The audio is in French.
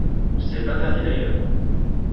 C’est interdit, d’ailleurs